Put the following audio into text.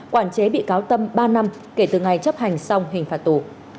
quản chế bị cáo tâm ba năm kể từ ngày chấp hành xong hình phạt tù